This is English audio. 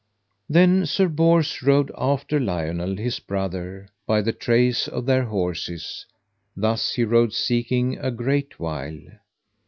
Then Sir Bors rode after Lionel, his brother, by the trace of their horses, thus he rode seeking a great while.